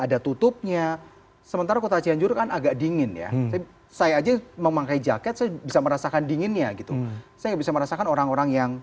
dan juga orang tuanya